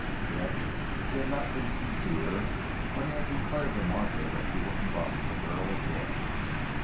Yet he had not been sincere when he had declared to Martha that he wouldn't bother the girl again.